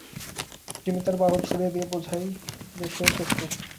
Jimmy তার বাহু ছড়িয়ে দিয়ে বোঝায় যে সেও প্রস্তুত।